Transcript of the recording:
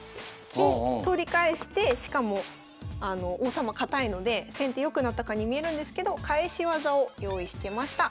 金取り返してしかも王様堅いので先手良くなったかに見えるんですけど返し技を用意してました。